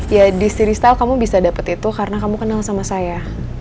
ya di seastyle kamu bisa dapat itu karena kamu kenal sama saya